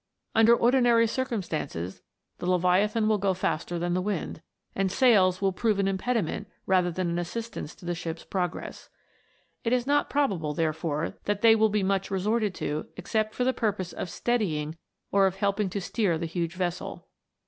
Under ordinary circum stances the Leviathan will go faster than the wind, and sails will prove an impediment rather than an assistance to the ship's progress. It is not probable, therefore, that they will be much resorted to except for the purpose of steadying or of helping to steer the huge vessel.